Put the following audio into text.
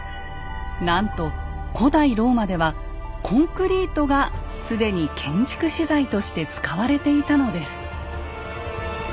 なんと古代ローマではコンクリートが既に建築資材として使われていたのです。